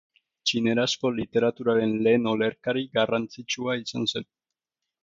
Txinerazko literaturaren lehen olerkari garrantzitsua izan zen.